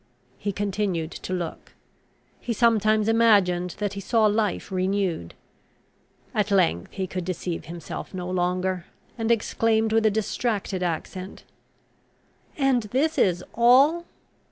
He continued to look; he sometimes imagined that he saw life renewed. At length he could deceive himself no longer, and exclaimed with a distracted accent, "And is this all?"